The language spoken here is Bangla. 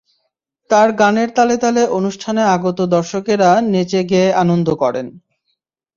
তার গানের তালে তালে অনুষ্ঠানে আগত দর্শকেরা নেচে গেয়ে আনন্দ করেন।